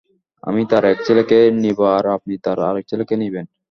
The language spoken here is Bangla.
আমি তার এক ছেলেকে নিব আর আপনি তার আরেক ছেলেকে নিবেন।